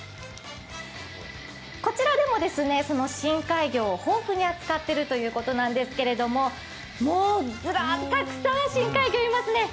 こちらでもその深海魚を豊富に扱っているということですけれどももうずらーっとたくさん深海魚いますね。